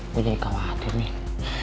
gue jadi khawatir nih